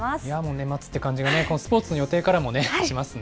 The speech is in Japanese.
年末という感じがね、スポーツの予定からもしますね。